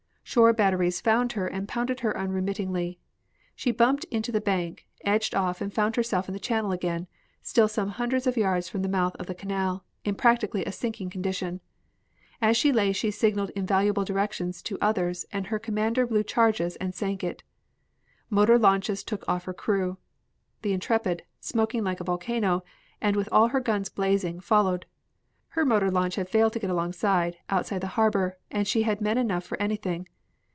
Shore batteries found her and pounded her unremittingly. She bumped into the bank, edged off and found herself in the channel again, still some hundreds of yards from the mouth of the canal in practically a sinking condition. As she lay she signaled invaluable directions to others, and her commander blew charges and sank it. Motor launches took off her crew. The Intrepid, smoking like a volcano, and with all her guns blazing, followed. Her motor launch had failed to get alongside, outside the harbor, and she had men enough for anything.